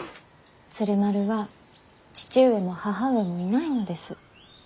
鶴丸は父上も母上もいないのです。